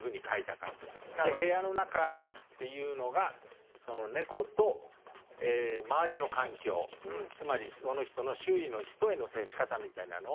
で部屋の中っていうのが猫と周りの環境つまりその人の周囲の人への接し方みたいなのを表すんですね。